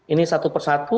ini satu persatu